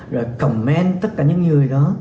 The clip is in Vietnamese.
rồi comment tất cả những người đó